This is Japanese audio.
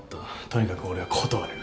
とにかく俺は断る